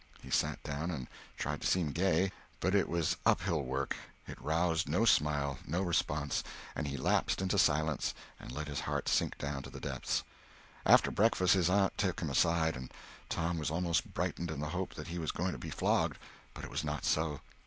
He sat down and tried to seem gay, but it was up hill work; it roused no smile, no response, and he lapsed into silence and let his heart sink down to the depths. After breakfast his aunt took him aside, and Tom almost brightened in the hope that he was going to be flogged; but it was not so.